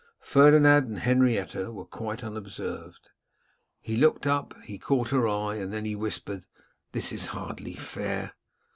Ferdinand and Henrietta were quite unobserved. He looked up; he caught her eye; and then he whispered, 'This is hardly fair.